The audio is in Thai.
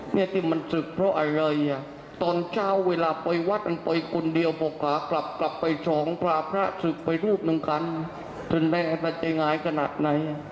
นี่ที่มันสึกเพราะอะไรตอนเช้าเวลาไปวัดมันไปคนเดียวพวกขากลับไปช้องพระพระสึกไปรูปหนึ่งกัน